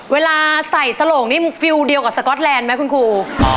เวลาใส่สโหลงนี่ฟิลเดียวกับสก๊อตแลนด์ไหมคุณครู